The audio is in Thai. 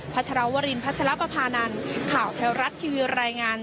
พลพลัพธานันทร์ข่าวแถวรัตน์ทีวีรายงาน